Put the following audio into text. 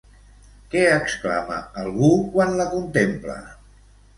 Què exclama algú quan la contempla?